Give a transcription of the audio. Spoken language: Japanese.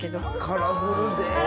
カラフルで。